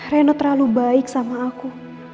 reno terlalu baik sama aku